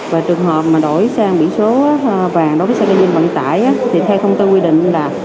và trường hợp mà đổi sang biển số vàng đối với xe kinh doanh vận tải thì theo công tư quy định là